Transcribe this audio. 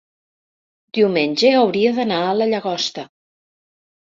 diumenge hauria d'anar a la Llagosta.